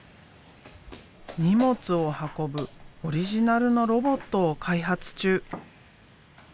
荷物を運ぶオリジナルのロボットを開発中。